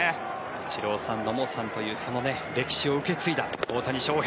イチローさん野茂さんというその歴史を受け継いだ大谷翔平。